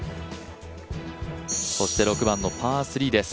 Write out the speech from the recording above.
そして６番のパー３です。